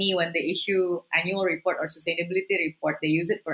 yang mengisi laporan anual atau laporan kesehatan